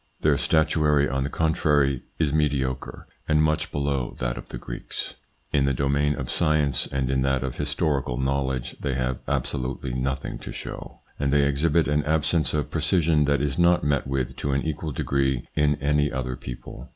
Their statuary, on the contrary, is mediocre, and much below that of the Greeks. In the domain of science and in that of historical knowledge, they have absolutely nothing to show, and they exhibit an absence of precision that is not met with to an equal degree in any other people.